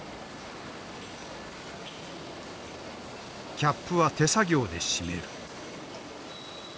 キャップは手作業でしめる。